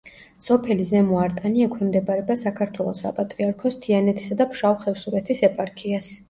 სოფელი ზემო არტანი ექვემდებარება საქართველოს საპატრიარქოს თიანეთისა და ფშავ-ხევსურეთის ეპარქიას.